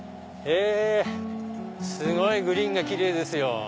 すごいグリーンがキレイですよ。